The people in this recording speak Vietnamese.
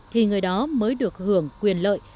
thì người đó mới được hưởng quyền lợi